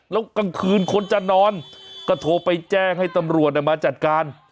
แล้วกลางคืนคนจะนอนก็โทรไปแจ้งให้ตำรวจมาจัดการ